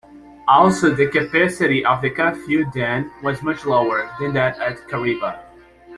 Also, the capacity of the Kafue dam was much lower than that at Kariba.